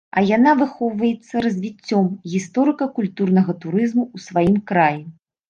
А яна выхоўваецца развіццём гісторыка-культурнага турызму ў сваім краі.